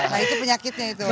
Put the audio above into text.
nah itu penyakitnya itu